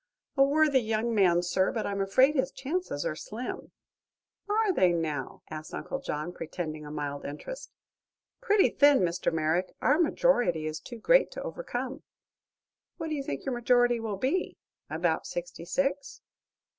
"A worthy young man, sir; but I'm afraid his chances are slim." "Are they, now?" asked Uncle John, pretending a mild interest. "Pretty thin, Mr. Merrick. Our majority is too great to overcome." "What do you think your majority will be? About sixty six?"